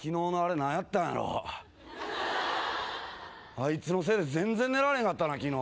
あいつのせいで全然寝られへんかったな昨日。